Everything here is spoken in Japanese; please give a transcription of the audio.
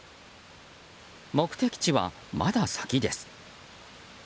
目的地はまだ先です。